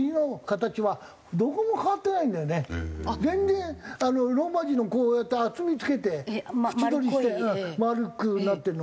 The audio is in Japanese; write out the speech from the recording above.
全然ローマ字のこうやって厚みつけて縁取りして丸くなってるの。